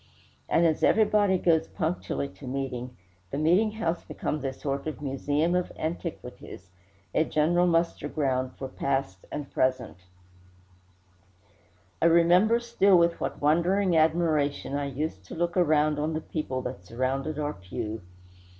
And as everybody goes punctually to meeting, the meeting house becomes a sort of museum of antiquities a general muster ground for past and present. I remember still with what wondering admiration I used to look around on the people that surrounded our pew.